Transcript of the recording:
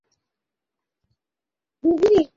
বর্তমানের মন্দিরটি গঙ্গা রাজা নির্মাণ করেন নবমশতকে।